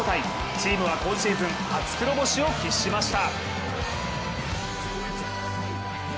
チームは今シーズン初黒星を喫しました。